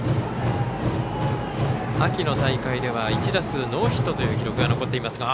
秋の大会では１打数ノーヒットという記録が残っています。